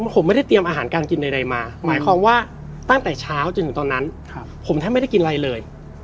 ผมไม่ได้เตรียมอาหารการกินใดมาหมายความว่าตั้งแต่เช้าจนถึงตอนนั้นผมแทบไม่ได้กินอะไรเลย